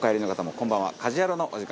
こんばんは。